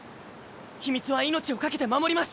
秘密は命を懸けて守ります。